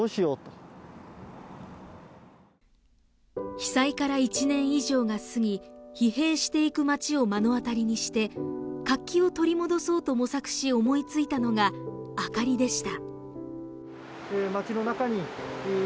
被災から１年以上がすぎ、疲弊していく町を目の当たりにして、活気を取り戻そうと模索し思いついたのが、明かりでした。